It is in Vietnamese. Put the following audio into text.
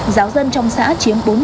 giáo dân trong xã chiếm bốn mươi